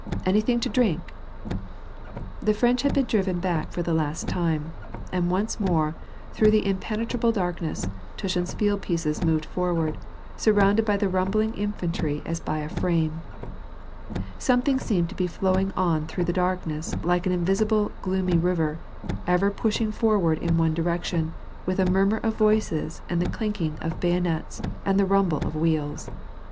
Anything to drink ?" The French had been driven back for the last time. And once more, through the impenetrable darkness, Tushin's field pieces moved forward, surrounded by the rumbling infantry as hy a frame. Something seemed to be flowing on through the darkness, like an invisible, gloomy river, ever pushing forward in one direction, with a murmur of voices, and the clinking of hayonets, and the rumble of wheels.